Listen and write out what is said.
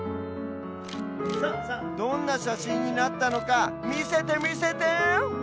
どんなしゃしんになったのかみせてみせて！